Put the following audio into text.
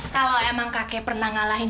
kalau emang kakek pernah ngalahin